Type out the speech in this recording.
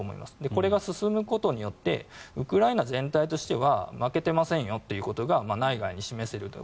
これが進むことによってウクライナ全体としては負けてませんよということが内外に示せると。